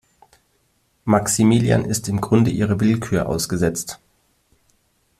Maximilian ist im Grunde ihrer Willkür ausgesetzt.